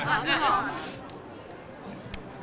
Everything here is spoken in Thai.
เพราะคำถามมั้ย